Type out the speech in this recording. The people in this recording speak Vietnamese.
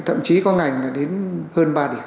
thậm chí có ngành là đến hơn ba điểm